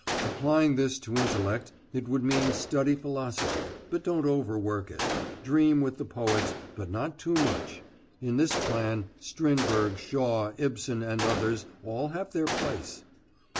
Applying this to intellect it would mean study philosophy, but don't overwork it dream with the poets, but not too much. In this plan, Strindberg, Shaw, Ibsen, and others all have their place.